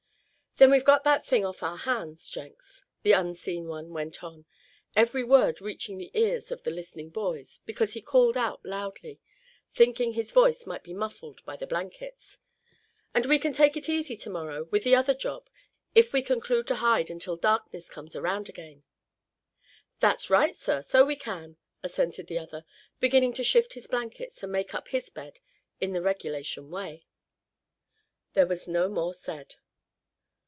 "Then we've got that thing off our hands, Jenks," the unseen one went on, every word reaching the ears of the listening boys, because he called out loudly, thinking his voice might be muffled by the blankets, "and we can take it easy tomorrow, with the other job, if we conclude to hide until darkness comes around again." "That's right, sir, so we can," assented the other, beginning to shift his blankets and make up his bed in the regulation way. There was no more said.